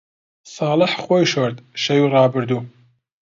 ساڵح خۆی شۆرد، شەوی ڕابردوو.